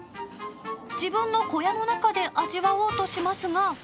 自分の小屋の中で味わおうとしますが。